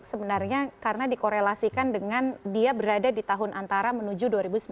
sebenarnya karena dikorelasikan dengan dia berada di tahun antara menuju dua ribu sembilan belas